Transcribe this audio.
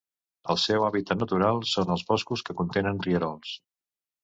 El seu hàbitat natural són els boscos que contenen rierols.